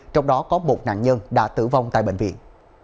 trong đó có một nạn nhân đã tử vong tại bệnh viện